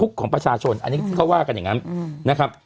ของประชาชนอันนี้ก็ว่ากันอย่างนั้นนะครับ